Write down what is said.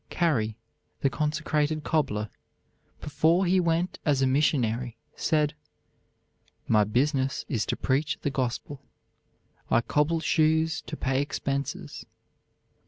Carey, the "Consecrated Cobbler," before he went as a missionary said: "My business is to preach the gospel. I cobble shoes to pay expenses."